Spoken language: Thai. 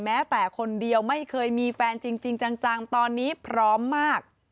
แม้แต่คนเดียวไม่เคยมีแฟนจริงจังตอนนี้พร้อมมาก